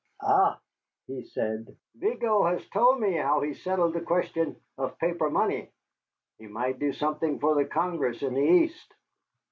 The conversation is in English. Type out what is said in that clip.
"Ah," he said, "Vigo has told me how he settled the question of paper money. He might do something for the Congress in the East."